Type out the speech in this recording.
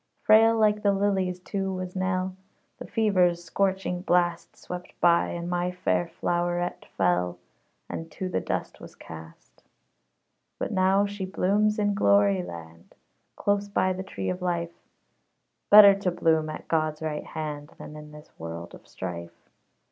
Frail like the lilies, too, was Nell. The fever's scorching blast Swept by, and my fair flowerette fell, And to the dust was cast. But now she blooms in glory land, Close by the tree of Life; Better to bloom at God's right hand Than in this world of strife.